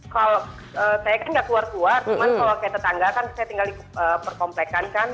kalau saya kan nggak keluar keluar cuman kalau kayak tetangga kan saya tinggal di perkomplekan kan